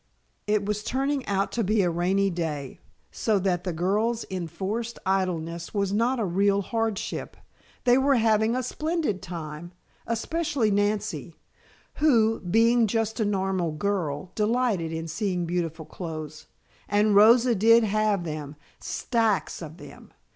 It was turning out to be a rainy day, so that the girls' enforced idleness was not a real hardship. They were having a splendid time, especially Nancy, who, being just a normal girl, delighted in seeing beautiful clothes. And Rosa did have them stacks of them.